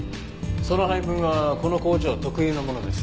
その配分はこの工場特有のものです。